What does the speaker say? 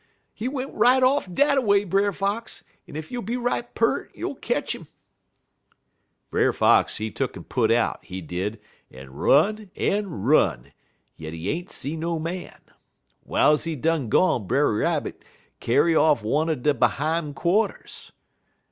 He went right off dat a way, Brer Fox, en ef you'll be right peart, you'll ketch 'im.' "Brer Fox, he tuck'n put out, he did, en run, en run, yit he ain't see no man. Wiles he done gone Brer Rabbit kyar off one er de behime quarters.